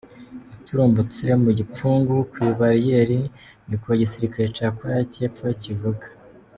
Yaturumbutse mu gipfungu kw'ibariyeri, ni ko igisirikare ca Korea y'epfo kivuga.